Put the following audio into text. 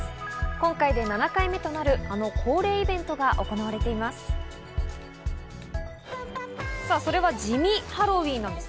今回で７回目となる、あの恒例イベントが行われています。